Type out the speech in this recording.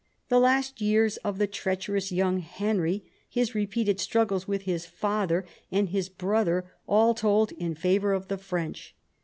The last years of the treacherous young Henry, his repeated struggles with his father and his brother, all told in favour of the French.